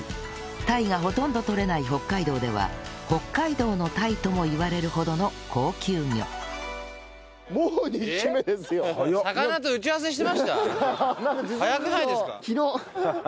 タイがほとんど取れない北海道では「北海道のタイ」ともいわれるほどの高級魚早くないですか？